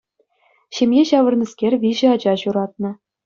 Ҫемье ҫавӑрнӑскер виҫӗ ача ҫуратнӑ.